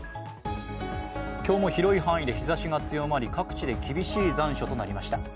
今日も広い範囲で日ざしが強まり、各地で厳しい残暑となりました。